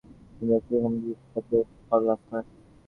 তিনি রাজকীয় সমিতির কুপলে পদক লাভ করেন।